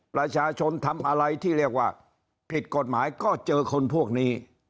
ประชาชนทำอะไรที่เรียกว่าผิดกฎหมายก็เจอคนพวกนี้